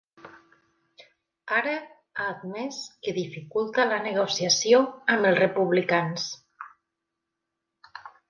Ara, ha admès que dificulta la negociació amb els republicans.